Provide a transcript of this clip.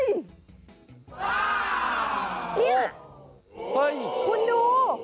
ยิงคุณดูเฮ้ย